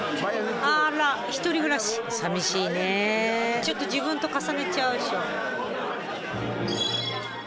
ちょっと自分と重ねちゃうでしょ。